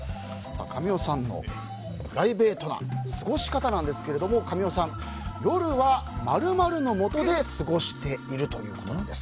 神尾さんのプライベートな過ごし方なんですけど神尾さん、夜は○○のもとで過ごしているということなんです。